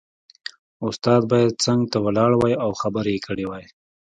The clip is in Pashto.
استاد باید څنګ ته ولاړ وای او خبرې یې کړې وای